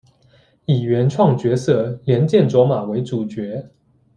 以原创角色莲见琢马为主角。